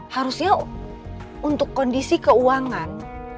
harusnya untuk kondisi keuangan